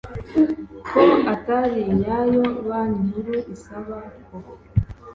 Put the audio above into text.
ko itari nyayo banki nkuru isaba ko